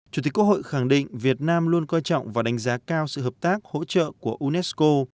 chủ tịch quốc hội khẳng định việt nam luôn coi trọng và đánh giá cao sự hợp tác hỗ trợ của unesco